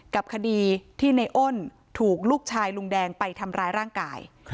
กับคดีที่ในอ้นถูกลูกชายลุงแดงไปทำร้ายร่างกาย